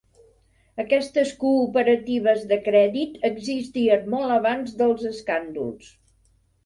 Aquestes cooperatives de crèdit existien molt abans dels escàndols.